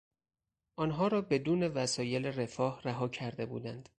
آنها را بدون وسایل رفاه رها کرده بودند.